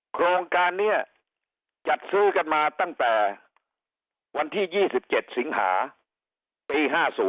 โครงการนี้จัดซื้อกันมาตั้งแต่วันที่๒๗สิงหาปี๕๐